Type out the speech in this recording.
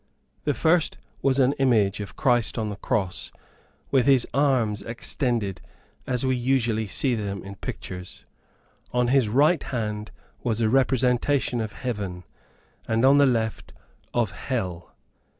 The first was an image of Christ on the cross, with his arms extended as we usually see them in pictures. On his right hand was a representation of heaven, and on the left, of hell.